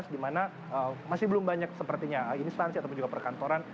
dimana masih belum banyak sepertinya instansi atau juga perkantoran